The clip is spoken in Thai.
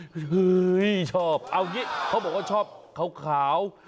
โอโหชอบเอาอย่างนี้เขาบอกว่าชอบขาว